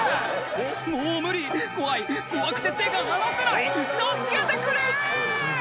「もう無理怖い怖くて手が離せない」「助けてくれ！」